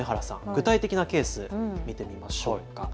具体的なケース見てみましょうか。